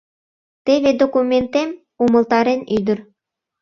Теве документем, — умылтарен ӱдыр.